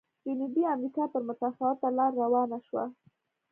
جنوبي امریکا پر متفاوته لار روانه شوه.